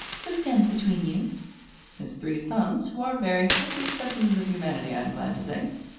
"Who stands between you?" "His three sons, who are very healthy specimens of humanity, I am glad to say."